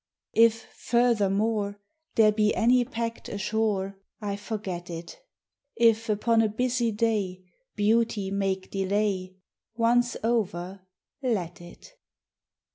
If, furthermore, There be any pact ashore, I forget it! If, upon a busy day Beauty make delay, Once over, let it!